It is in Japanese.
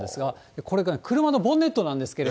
これがね、車のボンネットなんですけど。